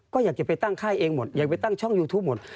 ก็อยากจะไปตั้งค่ายเองหมดอยากไปตั้งช่องยูทูปหมด